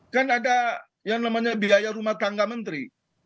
kan ada yang namanya biaya rumah tangga menteri